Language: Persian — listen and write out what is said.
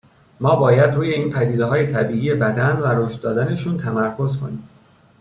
ما باید روی این پدیدههای طبیعیِ بدن و رشد دادنشون تمرکز کنیم.